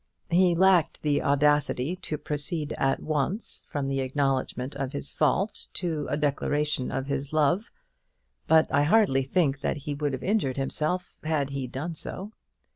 He lacked the audacity to proceed at once from the acknowledgment of his fault to a declaration of his love; but I hardly think that he would have injured himself had he done so.